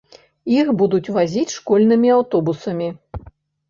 Іх будуць вазіць школьнымі аўтобусамі.